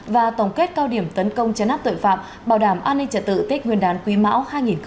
và tổng kết cao điểm tấn công chấn áp tội phạm bảo đảm an ninh trật tự tích nguyên đán quý mão hai nghìn hai mươi bốn